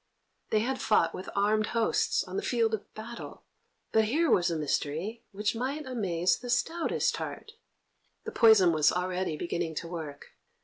They had fought with armed hosts on the field of battle, but here was a mystery which might amaze the stoutest heart. The poison was already beginning to work.